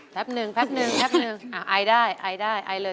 ต้องพาสนบรรย์